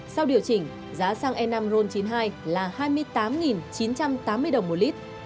sau điều chỉnh giá xăng e năm ron chín mươi hai là hai mươi tám chín trăm tám mươi đồng một lít